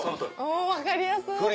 おぉ分かりやすい。